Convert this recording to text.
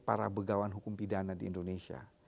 para begawan hukum pidana di indonesia